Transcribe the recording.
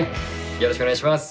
よろしくお願いします。